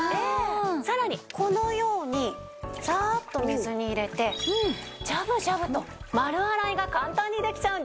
さらにこのようにザーッと水に入れてジャブジャブと丸洗いが簡単にできちゃうんです。